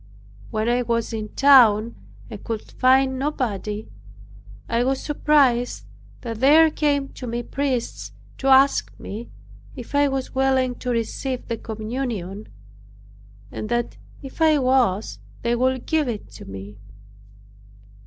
When I was in town, and could find nobody, I was surprised that there came to me priests to ask me if I was willing to receive the communion, and that if I was they would give it to me.